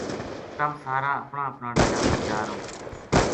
تم سار اپنا اپنا ڈیرا نا جا رہوں